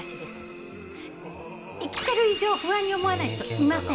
生きてる以上不安に思わない人いません。